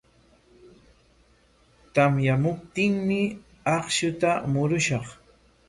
Tamyamuptinmi akshuta murushaq.